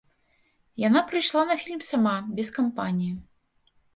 Яна прыйшла на фільм сама, без кампаніі.